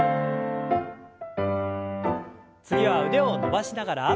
次は腕を伸ばしながら。